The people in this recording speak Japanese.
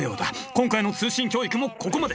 今回の通信教育もここまで。